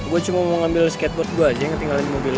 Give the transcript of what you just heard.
gue cuma mau ngambil skateboard gue aja yang tinggalin mobil